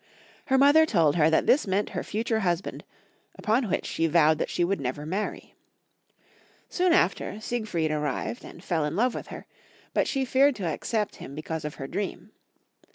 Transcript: Her mother told her that this meant her future hus band, upon which she vowed that she would never marry. Soon after, Siegfried arrived and fell in love with her ; but she feared to accept him because of her dream.